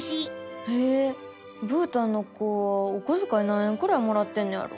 へえブータンの子はおこづかい何円くらいもらってんねんやろ。